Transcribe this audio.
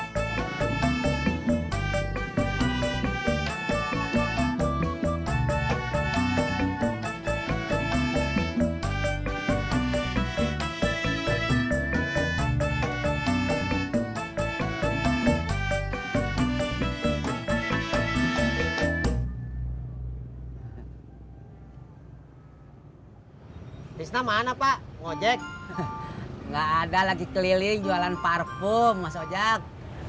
terima kasih pok